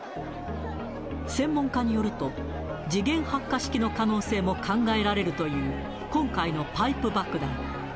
専門家によると、時限発火式の可能性も考えられるという今回のパイプ爆弾。